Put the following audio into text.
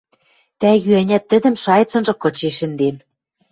Тӓгӱ-ӓнят тӹдӹм шайыцынжы кычен шӹнден.